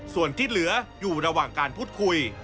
ส่วนที่เหลืออยู่ระหว่างการพูดคุย